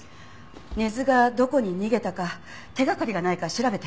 根津がどこに逃げたか手掛かりがないか調べて。